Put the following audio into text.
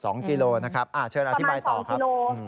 กิโลนะครับเชิญอธิบายต่อครับ